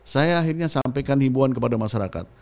saya akhirnya sampaikan himbuan kepada masyarakat